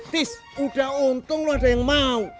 tis udah untung lu ada yang mau